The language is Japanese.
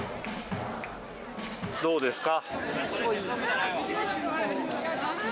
どうですか？